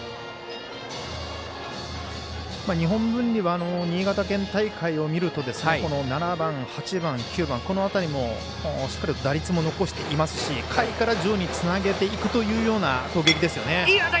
日本文理は新潟県大会を見ると７番、８番、９番この辺りもしっかりと打率も残していますし下位から上位につなげていくというような攻撃です。